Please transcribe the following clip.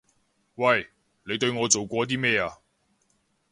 喂！你對我做過啲咩啊？